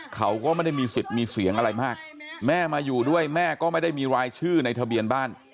เขาก็ไม่ได้มีสิทธิ์มีเสียงอะไรมากแม่มาอยู่ด้วยแม่ก็ไม่ได้มีรายชื่อในทะเบียนบ้าน